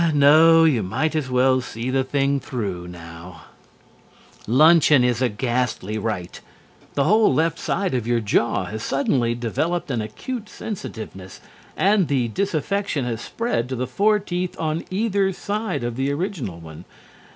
No, you might as well see the thing through now. Luncheon is a ghastly rite. The whole left side of your jaw has suddenly developed an acute sensitiveness and the disaffection has spread to the four teeth on either side of the original one.